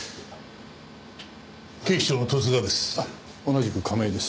警視庁の十津川です。